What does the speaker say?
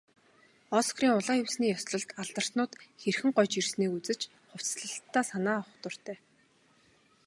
Оскарын улаан хивсний ёслолд алдартнууд хэрхэн гоёж ирснийг үзэж, хувцаслалтдаа санаа авах дуртай.